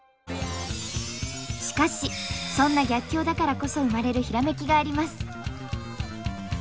しかしそんな逆境だからこそ生まれるヒラメキがあります。